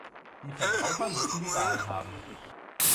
Die Verbraucher müssen die Wahl haben.